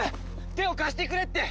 手を貸してくれって！